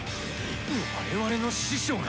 我々の師匠が。